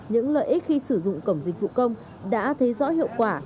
những lợi ích khi sử dụng cổng dịch vụ công đã thấy rõ hiệu quả